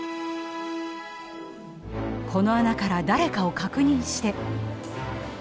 この穴から誰かを確認して。